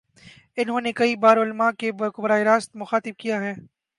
انہوں نے کئی بارعلما کو براہ راست مخاطب کیا ہے۔